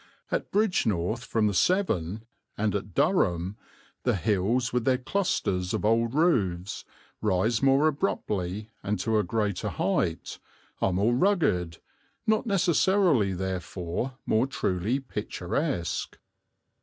At Bridgnorth from the Severn, and at Durham, the hills with their clusters of old roofs, rise more abruptly and to a greater height, are more rugged, not necessarily therefore more truly picturesque.